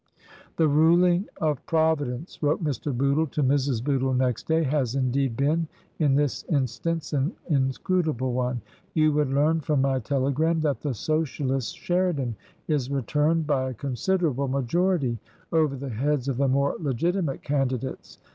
" The ruling of Providence," wrote Mr. Bootle to Mrs. Bootle next day, " has, indeed, been in this instance an inscrutable one. You would learn from my telegram that the Socialist Sheridan is returned by a considerable majority over the heads of the more legitimate candidates.